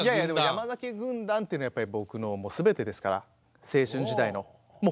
「山崎軍団」っていうのは僕の全てですから青春時代の。